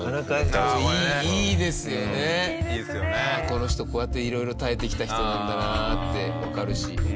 この人こうやって色々耐えてきた人なんだなってわかるし。